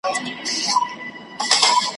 اغزي که تخم د سروګلونو ,